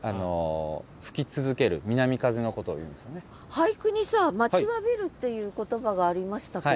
俳句にさ「待ち侘びる」っていう言葉がありましたけど。